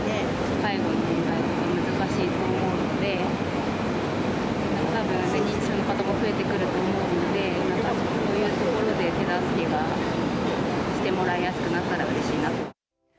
介護の問題とか、難しいと思うので、認知症の方も増えてくると思うので、たぶんそういうところで手助けがしてもらいやすくなったらうれしいなと。